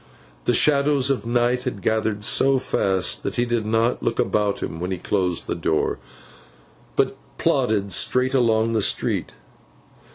The shadows of night had gathered so fast, that he did not look about him when he closed the door, but plodded straight along the street.